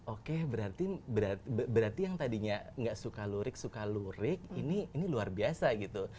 oke berarti yang tadinya nggak suka lurik suka lurik ini luar biasa gitu